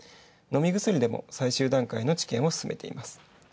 飲み薬でも最終段階の治験を始めています。